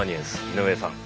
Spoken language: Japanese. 井上さん